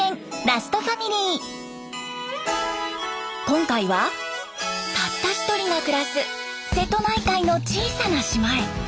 今回はたった１人が暮らす瀬戸内海の小さな島へ。